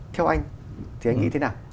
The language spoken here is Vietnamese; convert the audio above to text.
theo anh thì anh nghĩ thế nào